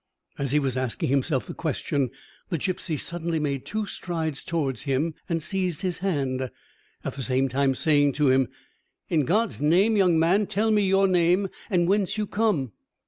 As he was asking himself the question, the gipsy suddenly made two strides towards him and seized his hand, at the same time saying to him: "In God's name, young man, tell me your name, and whence you come!"